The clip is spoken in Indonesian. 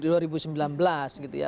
di dua ribu sembilan belas gitu ya